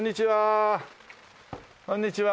こんにちは。